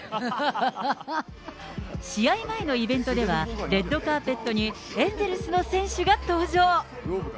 試合前のイベントでは、レッドカーペットにエンゼルスの選手が登場。